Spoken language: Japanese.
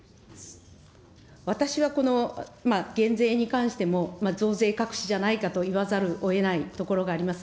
私はこの減税に関しても、増税隠しじゃないかと言わざるをえないところがあります。